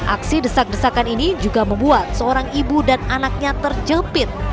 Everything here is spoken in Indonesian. aksi desak desakan ini juga membuat seorang ibu dan anaknya terjepit